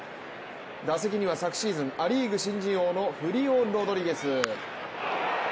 打席には昨シーズンア・リーグ新人王のフリオ・ロドリゲス。